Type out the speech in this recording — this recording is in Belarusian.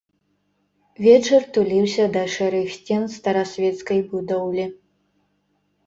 Вечар туліўся да шэрых сцен старасвецкай будоўлі.